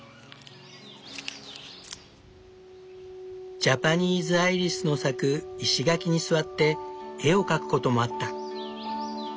ジャパニーズアイリスの咲く石垣に座って絵を描くこともあった。